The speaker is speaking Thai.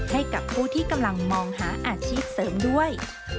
ให้กับผู้ที่กำลังมองหาอาชีพเสริมด้วย